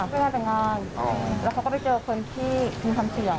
ไปงานแต่งงานแล้วเขาก็ไปเจอคนที่มีความเสี่ยง